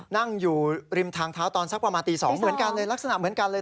นั่งอยู่ริมทางเท้าตอนสักประมาณตี๒เหมือนกันเลยลักษณะเหมือนกันเลย